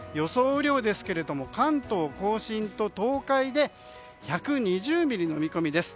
雨量ですが、関東・甲信と東海で１２０ミリの見込みです。